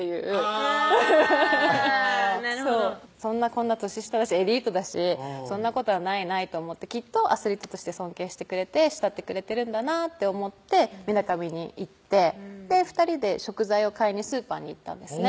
あぁそうこんな年下だしエリートだしそんなことはないないと思ってきっとアスリートとして尊敬してくれて慕ってくれてるんだなって思ってみなかみに行って２人で食材を買いにスーパーに行ったんですね